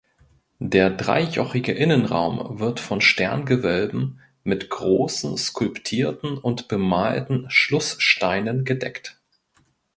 Der dreijochige Innenraum wird von Sterngewölben mit großen skulptierten und bemalten Schlusssteinen gedeckt.